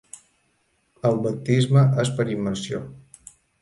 El baptisme és per immersió.